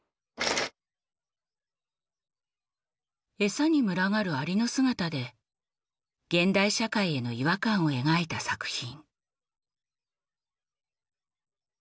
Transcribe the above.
餌に群がる蟻の姿で現代社会への違和感を描いた作品。